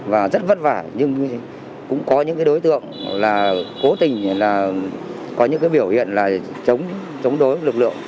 và rất vất vả nhưng cũng có những đối tượng cố tình có những biểu hiện chống đối lực lượng